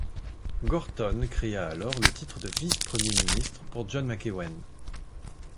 Gorton créa alors le titre de Vice-premier ministre pour John McEwen.